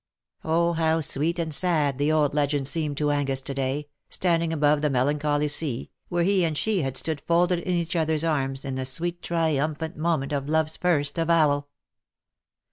Oh, how sweet and sad the old legend seemed to Angus to day, standing above the melancholy sea, where he and she had stood folded in each other's arms in the sweet triumphant moment of love's first avowal.